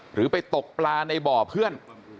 หรือไปตกปลาในบ่อเพื่อน